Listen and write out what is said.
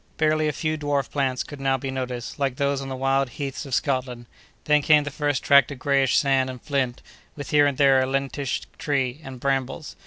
Barely a few dwarf plants could now be noticed, like those on the wild heaths of Scotland; then came the first tract of grayish sand and flint, with here and there a lentisk tree and brambles.